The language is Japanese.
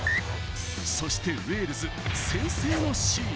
そしてウェールズ、先制のシーン。